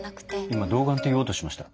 今「童顔」って言おうとしました？